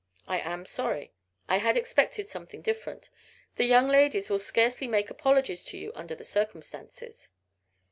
I am sorry. I had expected something different. The young ladies will scarcely make apologies to you under the circumstances."